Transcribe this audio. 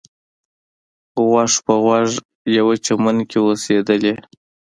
غوږ په غوږ یوه چمن کې اوسېدلې.